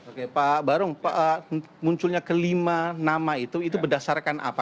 oke pak barong munculnya kelima nama itu itu berdasarkan apa